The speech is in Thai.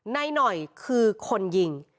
นายหน่อยคือคนยิง